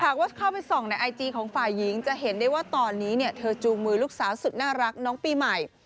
หากว่าเข้าไปส่องในไอจีของฝ่ายหญิงจะเห็นได้ว่าตอนนี้เนี่ยเธอจูงมือลูกสาวสุดน่ารักน้องปีใหม่